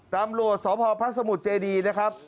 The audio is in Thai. ตำรวจสพพระสมุทรเจดีนะครับ